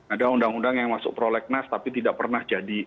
ada undang undang yang masuk prolegnas tapi tidak pernah jadi